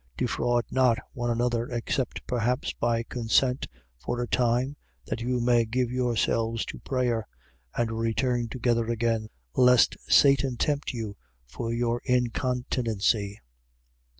7:5. Defraud not one another, except, perhaps, by consent, for a time, that you may give yourselves to prayer: and return together again, lest Satan tempt you for your incontinency.